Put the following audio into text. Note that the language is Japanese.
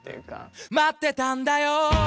待ってたんだよ